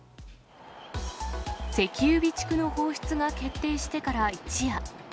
石油備蓄放出が決定してから一夜。